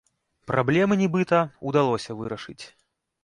Праблемы, нібыта, удалося вырашыць.